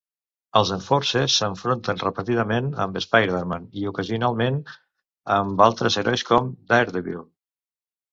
Els Enforcers s'enfronten repetidament amb Spider-Man i ocasionalment amb altres herois com Daredevil.